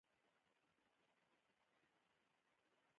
پټۍ راکړه